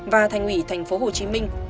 và thành ủy tp hồ chí minh